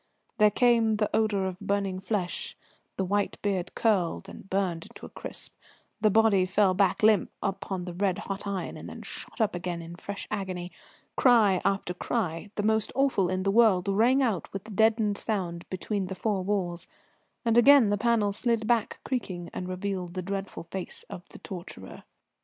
There came the odour of burning flesh; the white beard curled and burned to a crisp; the body fell back limp upon the red hot iron, and then shot up again in fresh agony; cry after cry, the most awful in the world, rang out with deadened sound between the four walls; and again the panel slid back creaking, and revealed the dreadful face of the torturer.